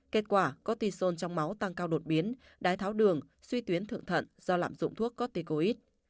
kết quả cortison trong máu tăng cao đột biến đái tháo đường suy tuyến thượng thận do lạm dụng thuốc corticoid